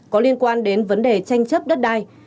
có liên quan đến vấn đề tranh chấp đất đai